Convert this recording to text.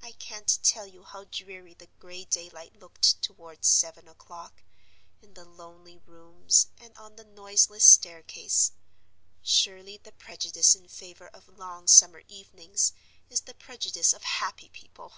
I can't tell you how dreary the gray daylight looked, toward seven o'clock, in the lonely rooms, and on the noiseless staircase. Surely, the prejudice in favor of long summer evenings is the prejudice of happy people?